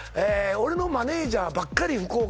俺のマネージャーばっかり福岡